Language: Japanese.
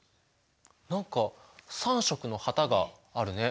何か３色の旗があるね。